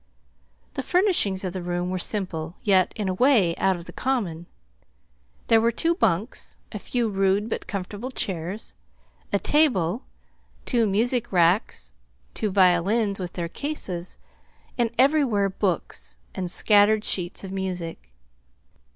The furnishings of the room were simple, yet, in a way, out of the common. There were two bunks, a few rude but comfortable chairs, a table, two music racks, two violins with their cases, and everywhere books, and scattered sheets of music.